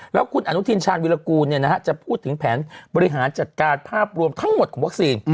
แล้วคุณอนุทินชาญวิรากูลจะพูดถึงแผนบริหารจัดการภาพรวมทั้งหมดของวัคซีน